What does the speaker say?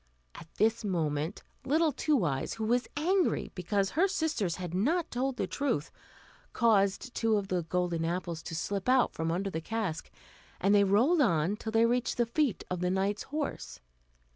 At this moment little Two Eyes, who was angry because her sisters had not told the truth, caused two of the golden apples to slip out from under the cask, and they rolled on till they reached the feet of the knight's horse.